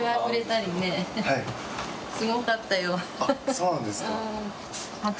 そうなんですか。